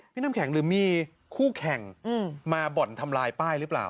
น้ำแข็งหรือมีคู่แข่งมาบ่อนทำลายป้ายหรือเปล่า